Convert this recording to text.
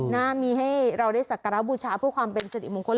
นะมีให้เราได้สักการะบูชาเพื่อความเป็นสิริมงคล